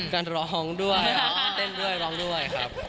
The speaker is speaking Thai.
การร้องด้วยเต้นด้วยร้องด้วยครับ